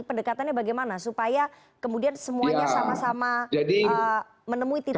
pendekatannya bagaimana supaya kemudian semuanya sama sama menemui titik